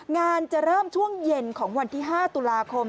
งานจะเริ่มช่วงเย็นของวันที่๕ตุลาคม